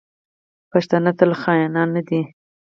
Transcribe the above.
پښتانه ټول خاینان نه دي.